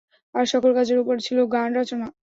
আর সকল কাজের উপর ছিল গান রচনা।